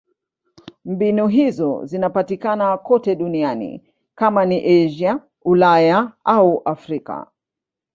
Mbinu hizo zinapatikana kote duniani: kama ni Asia, Ulaya au Afrika.